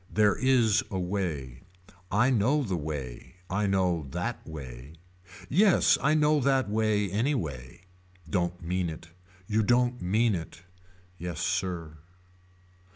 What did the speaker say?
There is a way. I know the way. I know that way. Yes I know that way anyway. Don't mean it. You don't mean it. Yes sir.